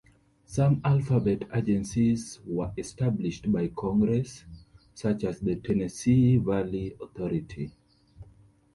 Some alphabet agencies were established by Congress, such as the Tennessee Valley Authority.